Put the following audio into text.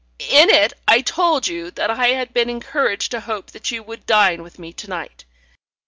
"In it I told you that I had been encouraged to hope that you would dine with me to night.